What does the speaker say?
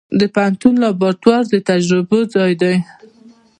د پوهنتون لابراتوار د تجربو ځای دی.